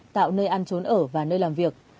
tạo nơi ăn trốn ở và nơi làm việc